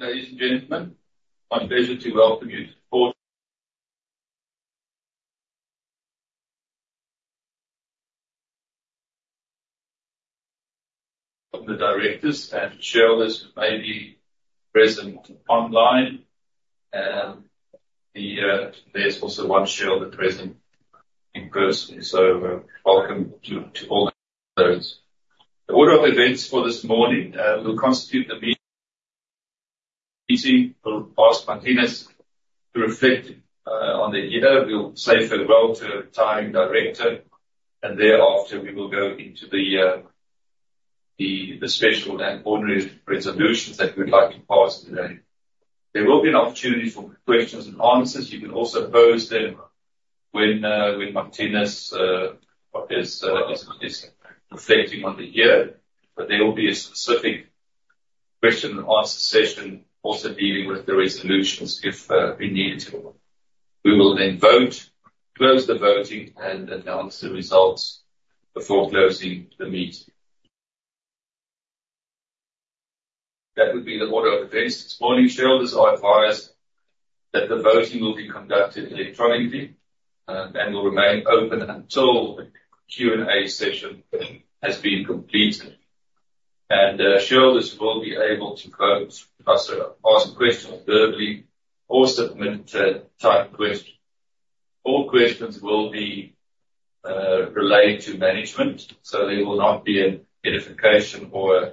Morning, ladies and gentlemen. It's my pleasure to welcome you to the Board of Directors and chairs, maybe present online. There's also one chair that's present in person. Welcome to all those. The order of events for this morning will be to hand over to Marthinus to reflect on the year. We'll say farewell to the retiring director, and thereafter we will go into the special and ordinary resolutions that we'd like to pass today. There will be an opportunity for questions and answers. You can also pose them when Marthinus is reflecting on the year, but there will be a specific question and answer session also dealing with the resolutions if we need to. We will then vote, close the voting, and announce the results before closing the meeting. That would be the order of events this morning. Shareholders are advised that the voting will be conducted electronically and will remain open until the Q&A session has been completed. Shareholders will be able to vote, ask questions verbally, or submit a typed question. All questions will be relayed to management, so there will not be a notification or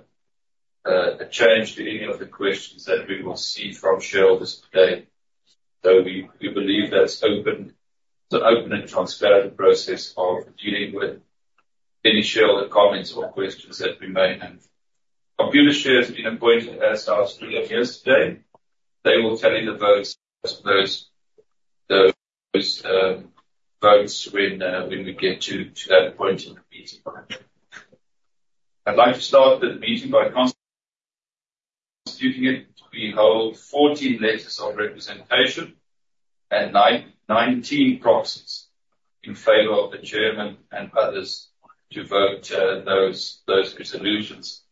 a change to any of the questions that we will see from shareholders today. We believe that's an open and transparent process of dealing with any shareholder comments or questions that we may have. Computershare has been appointed as our scrutineers today. They will tally the votes when we get to that point in the meeting. I'd like to start the meeting by constituting it to be held with 14 letters of representation and 19 proxies in favor of the chairman and others to vote those resolutions.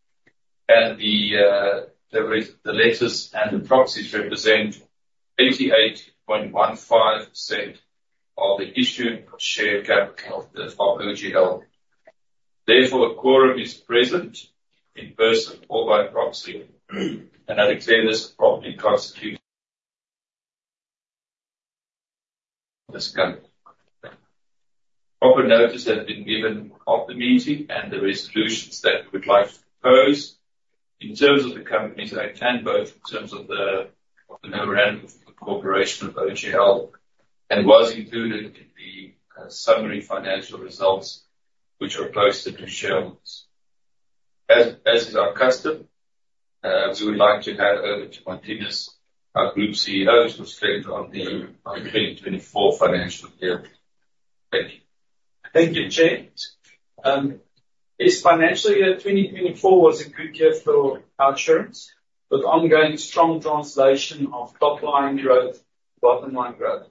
The letters and the proxies represent 88.15% of the issued share capital of OGL. Therefore, a quorum is present in person or by proxy. I declare this properly constituted. Proper notice has been given of the meeting and the resolutions that we would like to propose in terms of the Companies Act and both in terms of the Memorandum of Incorporation of OGL and was included in the summary financial results which are posted to shareholders. As is our custom, we would like to hand over to Marthinus, our Group CEO, to reflect on the 2024 financial year. Thank you. Thank you, Chair. This financial year 2024 was a good year for our insurance with ongoing strong translation of top-line growth, bottom-line growth.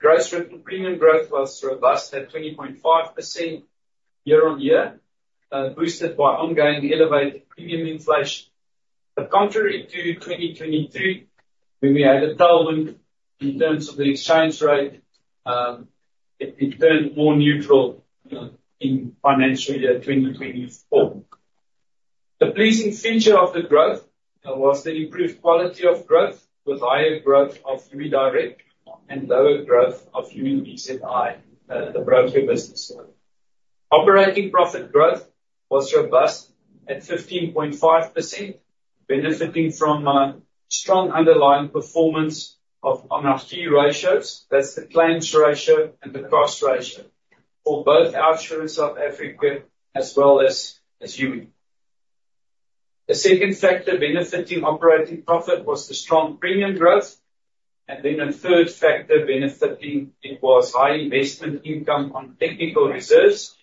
Gross Written Premium growth was robust at 20.5% year on year, boosted by ongoing elevated premium inflation, but contrary to 2022, when we had a tailwind in terms of the exchange rate, it turned more neutral in financial year 2024. The pleasing feature of the growth was the improved quality of growth with higher growth of direct and lower growth of indirect, the broker business. Operating profit growth was robust at 15.5%, benefiting from strong underlying performance of key ratios. That's the claims ratio and the cost ratio for both our OUTsurance Africa as well as Youi. The second factor benefiting operating profit was the strong premium growth. And then a third factor benefiting it was high investment income on technical reserves,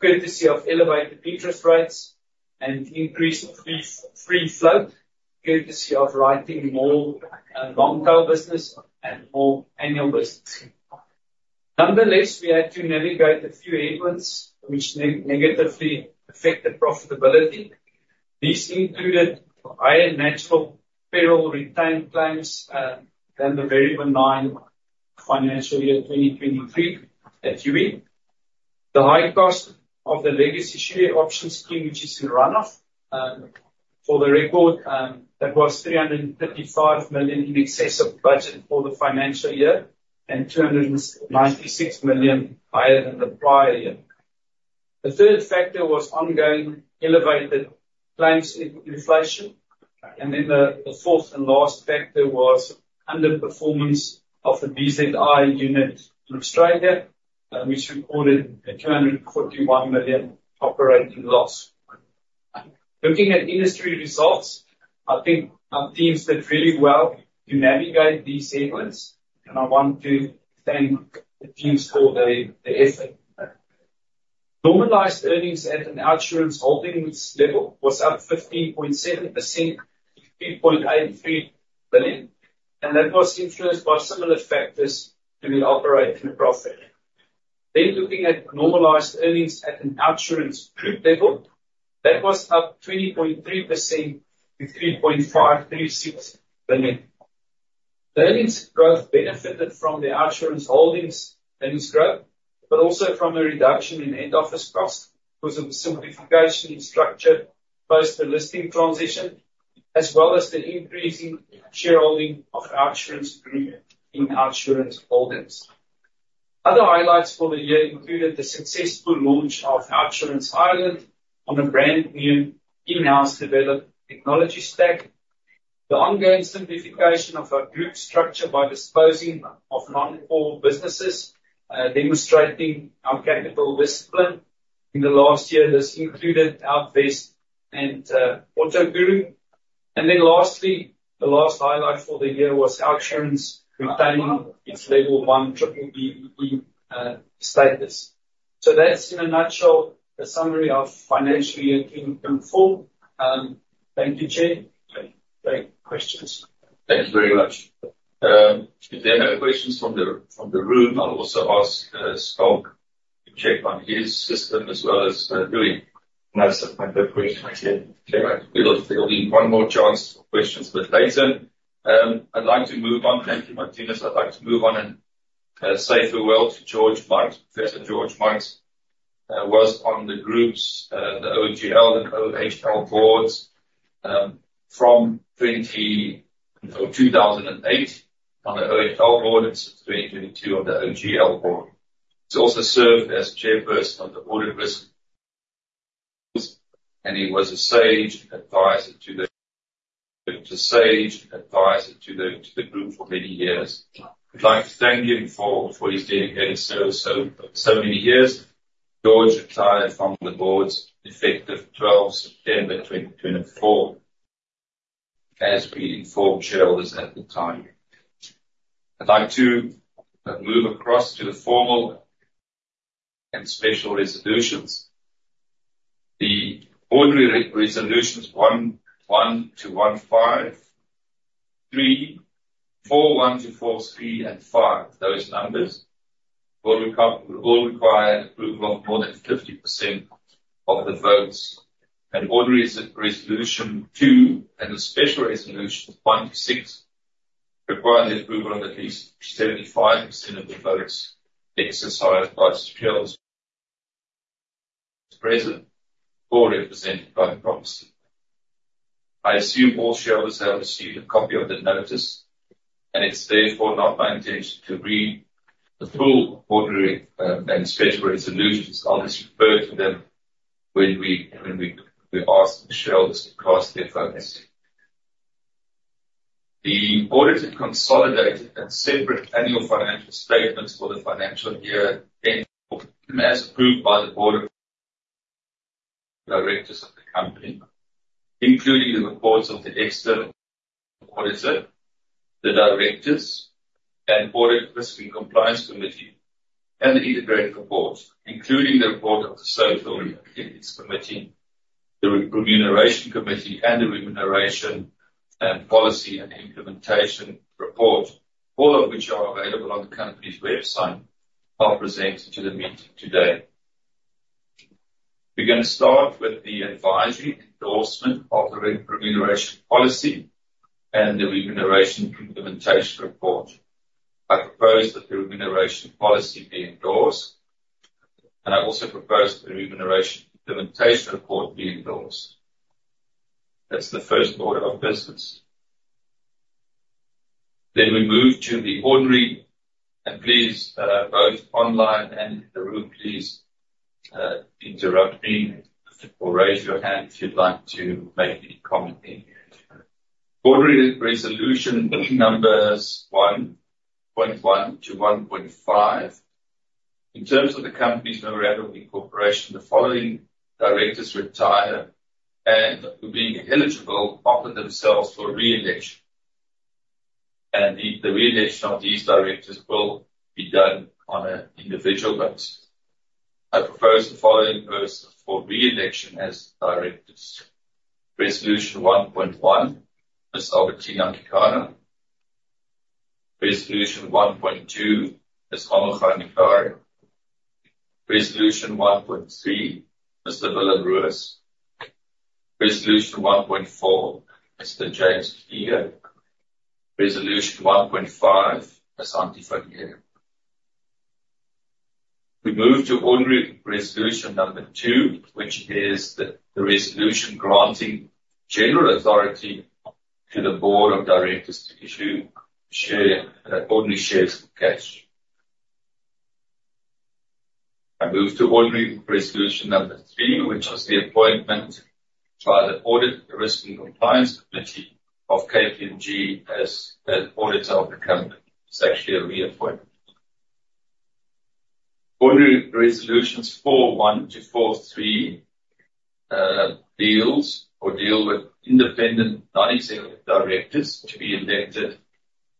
courtesy of elevated interest rates and increased free float, courtesy of writing more long-term business and more annual business. Nonetheless, we had to navigate a few headwinds which negatively affected profitability. These included higher natural peril retained claims than the very benign financial year 2023 at Youi. The high cost of the legacy share option scheme, which is in runoff, for the record, that was 335 million in excess of budget for the financial year and 296 million higher than the prior year. The third factor was ongoing elevated claims inflation. And then the fourth and last factor was underperformance of the BZI unit in Australia, which reported a 241 million operating loss. Looking at industry results, I think our teams did really well to navigate these headwinds, and I want to thank the teams for the effort. Normalized earnings at an OUTsurance Holdings level was up 15.7%, 3.83 billion, and that was influenced by similar factors to the operating profit. Then looking at normalized earnings at an OUTsurance Group level, that was up 20.3% to 3.536 million. The earnings growth benefited from the OUTsurance Holdings' earnings growth, but also from a reduction in head office costs because of the simplification in structure post-listing transition, as well as the increasing shareholding of OUTsurance Group in OUTsurance Holdings. Other highlights for the year included the successful launch of OUTsurance Ireland on a brand new in-house developed technology stack. The ongoing simplification of our group structure by disposing of non-core businesses, demonstrating our capital discipline in the last year, has included Outvest and AutoGuru. And then lastly, the last highlight for the year was OUTsurance retaining its level one B-BBEE status. So that's in a nutshell a summary of financial year 2024. Thank you, Chair. Great questions. Thank you very much. If there are no questions from the room, I'll also ask Scott to check on his system as well as Louis. No, sir, no questions. There'll be one more chance for questions later. I'd like to move on. Thank you, Marthinus. I'd like to move on and say farewell to George Marx. Professor George Marx was on the group's, the OGL and OHL boards from 2008 on the OHL board and since 2022 on the OGL board. He's also served as chairperson of the risk committee, and he was a sage advisor to the group for many years. I'd like to thank him for his dedicated service over so many years. George retired from the board effective 12 September 2024, as we informed shareholders at the time. I'd like to move across to the ordinary and special resolutions. The ordinary resolutions 1.1 to 1.3, 4.1 to 4.3, and 5, those numbers all required approval of more than 50% of the votes. And ordinary resolution 2 and the special resolutions 1 to 6 required the approval of at least 75% of the votes exercised by shareholders as present or represented by the proxy. I assume all shareholders have received a copy of the notice, and it's therefore not my intention to read the full ordinary and special resolutions. I'll just refer to them when we ask the shareholders to cast their votes. The audited consolidated and separate annual financial statements for the financial year ended, as approved by the board of directors of the company, including the reports of the external auditor, the directors, and board of risk and compliance committee, and the integrated reports, including the report of the social and ethics committee, the remuneration committee, and the remuneration policy and implementation report, all of which are available on the company's website, are presented to the meeting today. We're going to start with the advisory endorsement of the remuneration policy and the remuneration implementation report. I propose that the remuneration policy be endorsed, and I also propose that the remuneration implementation report be endorsed. That's the first order of business. Then we move to the ordinary, and please, both online and in the room, please interrupt me or raise your hand if you'd like to make any comment. Ordinary resolution numbers 1.1 to 1.5. In terms of the company's Memorandum of Incorporation, the following directors retire and, being eligible, offer themselves for re-election. And the re-election of these directors will be done on an individual basis. I propose the following person for re-election as directors. Resolution 1.1 is Albertinah Kekana. Resolution 1.2 is Kuben Pillay. Resolution 1.3 is Alan Hedding. Resolution 1.4 is Jannie Durand. Resolution 1.5 is Buhle Hanise. We move to ordinary resolution number 2, which is the resolution granting general authority to the board of directors to issue ordinary shares in cash. I move to ordinary resolution number 3, which is the appointment by the audit risk and compliance committee of KPMG as auditor of the company. It's actually a reappointment. Ordinary resolutions 4.1 to 4.3 deals or deal with independent non-executive directors to be elected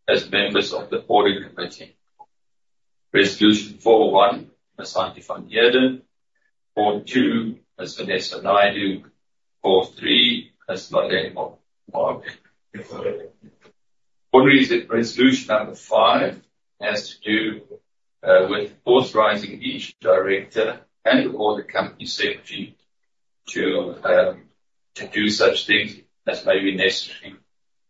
as members of the audit committee. Resolution 41 is Buhle Hanise. 4.2 is Vasantha Naidoo. 4.3 is Brian Hawksworth. Ordinary resolution number 5 has to do with authorizing each director and/or the company's secretary to do such things as may be necessary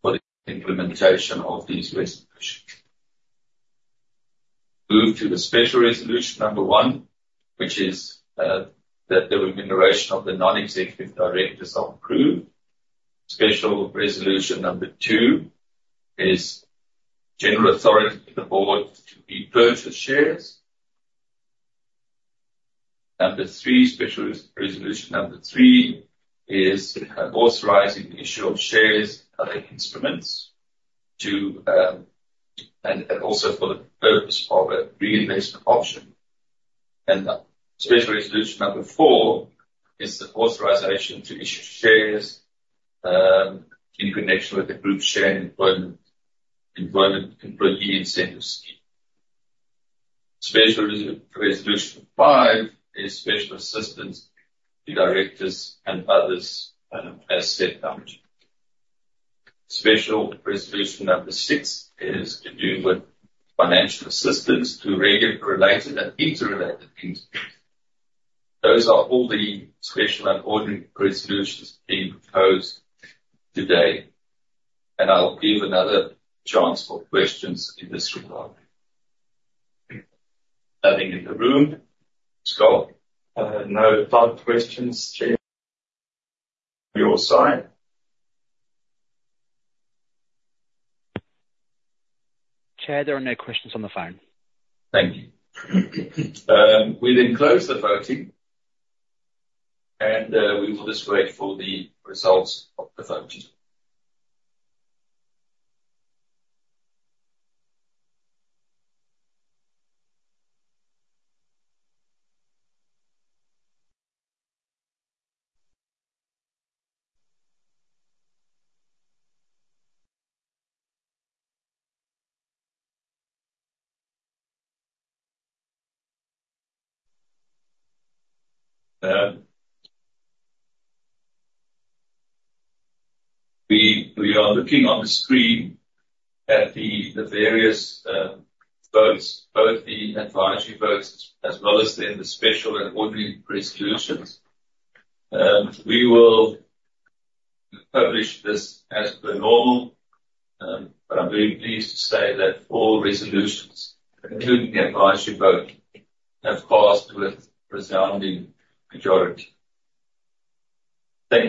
for the implementation of these resolutions. Move to the special resolution number 1, which is that the remuneration of the non-executive directors are approved. Special resolution number 2 is general authority to the board to repurchase shares. Special resolution number 3 is authorizing the issue of shares and other instruments and also for the purpose of a reinvestment option, and special resolution number 4 is the authorization to issue shares in connection with the group share employment employee incentive scheme. Special resolution 5 is special assistance to directors and others as said company. Special resolution number 6 is to do with financial assistance to regulator-related and interrelated entities. Those are all the special and ordinary resolutions being proposed today, and I'll give another chance for questions in this regard. Nothing in the room. Scott? No further questions, Chair. Your side. Chair, there are no questions on the phone. Thank you. We then close the voting, and we will just wait for the results of the votes. We are looking on the screen at the various votes, both the advisory votes as well as then the special and ordinary resolutions. We will publish this as per normal, but I'm very pleased to say that all resolutions, including the advisory vote, have passed with a resounding majority. Thank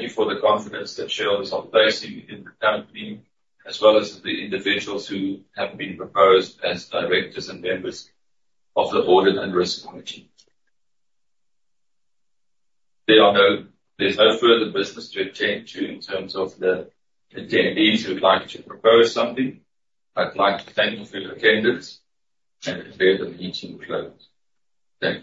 you for the confidence that shareholders are placing in the company, as well as the individuals who have been proposed as directors and members of the board and risk committee. There's no further business to attend to in terms of the attendees who would like to propose something. I'd like to thank you for your attendance and declare the meeting closed. Thank you.